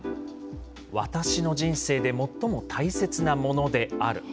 私の人生で最も大切なものである。